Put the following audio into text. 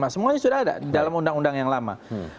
semuanya sudah ada di dalam undang undang yang lama